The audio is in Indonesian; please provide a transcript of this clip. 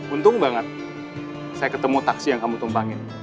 untung banget saya ketemu taksi yang kamu tumpangin